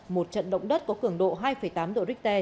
một trận động đất có cường độ hai tám độ richter